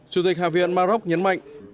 chủ tịch hạ viện maroc nhấn mạnh